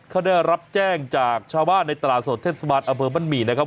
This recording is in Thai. เขาได้รับแจ้งจากชาวบ้านในตลาดสดเทศบาลอำเภอบ้านหมี่นะครับ